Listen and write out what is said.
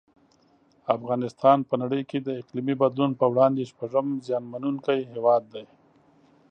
افغانستان په نړۍ کې د اقلیمي بدلون په وړاندې شپږم زیانمنونکی هیواد دی.